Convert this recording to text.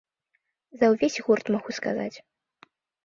За ўвесь гурт магу сказаць.